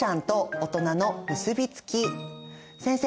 先生